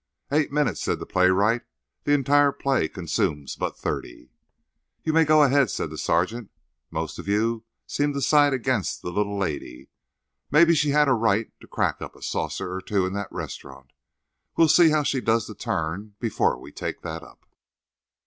"Eight minutes," said the playwright. "The entire play consumes but thirty." "You may go ahead," said the sergeant. "Most of you seem to side against the little lady. Maybe she had a right to crack up a saucer or two in that restaurant. We'll see how she does the turn before we take that up."